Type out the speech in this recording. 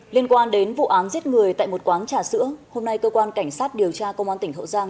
liên quan đến vụ án giết người tại một quán trà sữa hôm nay cơ quan cảnh sát điều tra công an tỉnh hậu giang